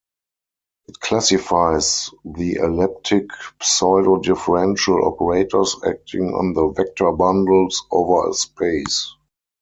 It classifies the elliptic pseudo-differential operators acting on the vector bundles over a space.